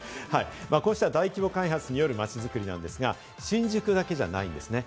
大規模開発による街づくりですが、新宿だけではないんですね。